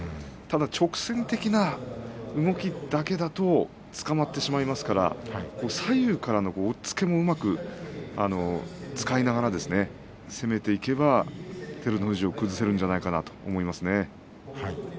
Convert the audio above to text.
直線的な動きだけだとつかまってしまいますので左右からの押っつけもうまく使いながらですね攻めていけば照ノ富士を崩せるんじゃないかと思いますね。